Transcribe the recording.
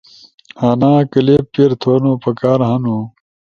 انا کلپ پیر تھونو پکار ہنو۔